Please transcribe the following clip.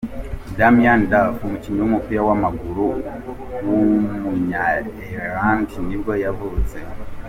Damien Duff, umukinnyi w’umupira w’amaguru w’umunya Ireland nibwo yavutse.